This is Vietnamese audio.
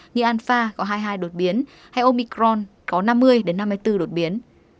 như alpha có hai mươi hai đột biến hay omicron có năm mươi năm mươi bốn đột biến